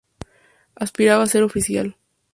Aspiraba a ser oficial.